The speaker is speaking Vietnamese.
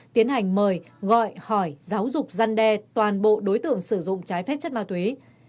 tiến hành mời gọi hỏi giáo dục gian đe toàn bộ đối tượng sử dụng trái phép chất ma túy